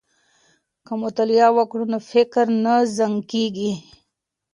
که مطالعه وکړو نو فکر نه زنګ کیږي.